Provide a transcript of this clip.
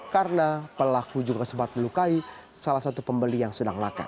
karena pelaku juga sempat melukai salah satu pembeli yang sedang makan